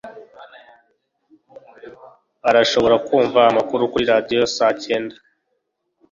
Urashobora kumva amakuru kuri radio saa cyenda